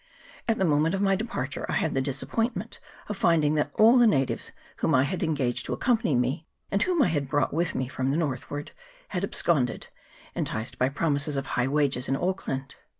At the moment of my departure I had the disappointment of finding that all the natives whom I had engaged to accompany me, and whom I had brought with me from the northward, had ab sconded, enticed by promises of high wages in Auckland.